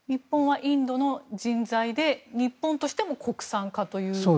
日本はインドの人材で日本としても国産化という。